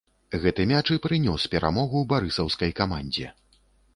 Гэты мяч і прынёс перамогу барысаўскай камандзе.